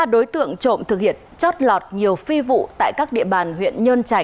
ba đối tượng trộm thực hiện chót lọt nhiều phi vụ tại các địa bàn huyện nhơn trang